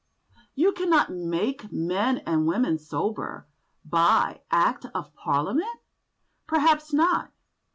"You cannot make men and women sober by Act of Parliament?" Perhaps not.